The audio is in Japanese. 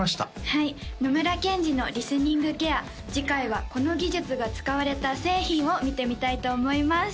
はい野村ケンジのリスニングケア次回はこの技術が使われた製品を見てみたいと思います